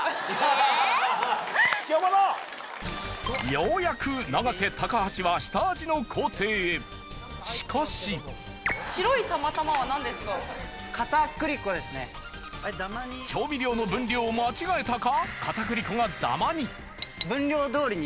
ようやく永瀬橋は下味の工程へしかし調味料の分量を間違えたか？